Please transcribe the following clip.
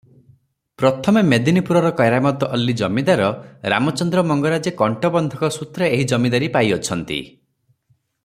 ପ୍ରଥମେ ମେଦିନୀପୁରର କେରାମତ୍ ଅଲି ଜମିଦାର ରାମଚନ୍ଦ୍ର ମଙ୍ଗରାଜେ କଣ୍ଟବନ୍ଧକ ସୂତ୍ରେ ଏହି ଜମିଦାରୀ ପାଇଅଛନ୍ତି ।